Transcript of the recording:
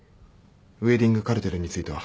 ウエディングカルテルについては？